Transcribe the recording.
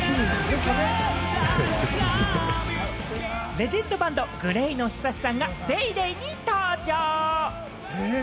レジェンドバンド・ＧＬＡＹのＨＩＳＡＳＨＩさんが『ＤａｙＤａｙ．』に登場！